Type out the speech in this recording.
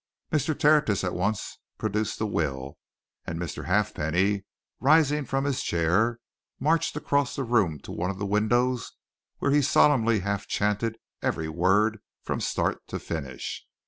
Mr. Tertius at once produced the will, and Mr. Halfpenny, rising from his chair, marched across the room to one of the windows where he solemnly half chanted every word from start to finish.